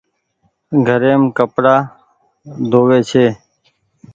گهريم ڪپڙآ ڌو وي ڇي ۔